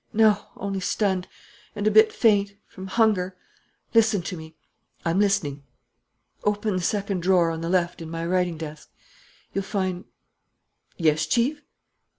"No, only stunned and a bit faint from hunger.... Listen to me." "I'm listening." "Open the second drawer on the left in my writing desk.... You'll find " "Yes, Chief?"